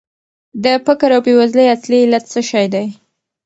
د فقر او بېوزلۍ اصلي علت څه شی دی؟